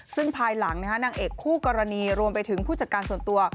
ซึ่งภายหลังนางเอกคู่กรณีรวมไปถึงผู้จัดการส่วนตัว